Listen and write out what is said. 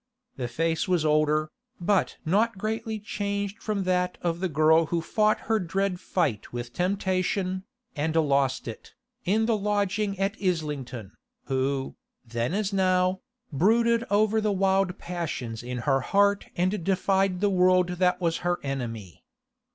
The face was older, but not greatly changed from that of the girl who fought her dread fight with temptation, and lost it, in the lodging at Islington, who, then as now, brooded over the wild passions in her heart and defied the world that was her enemy.